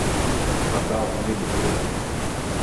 Par daudz gribi, puika.